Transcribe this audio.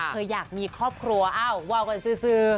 เคยอยากมีครอบครัวว่าก่อนซื้อ